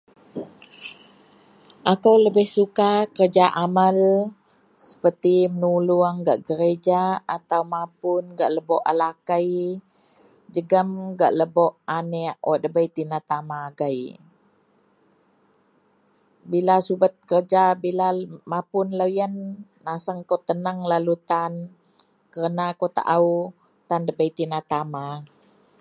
akou lebih suka kerja amal seperti menulung gak gereja atau mapun lebok gak alakei jegum gak lebok aneak wak dabei tina tama agei, bila subet kerja bila mapun loyien nasang kou tenang lalu tan, kerna akou taau tan dabei tina tama